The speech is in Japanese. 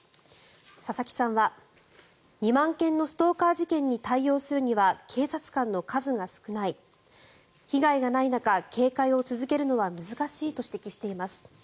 佐々木さんは、２万件のストーカー事件に対応するには警察官の数が少ない被害がない中、警戒を続けるのは難しいと指摘しています。